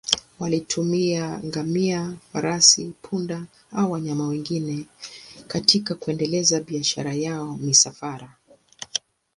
Walitumia ngamia, farasi, punda au wanyama wengine katika kuendeleza biashara ya misafara.